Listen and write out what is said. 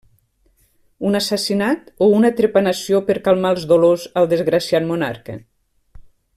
Un assassinat o una trepanació per calmar els dolors al desgraciat monarca?